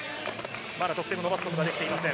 まだ得点を伸ばすことができていません。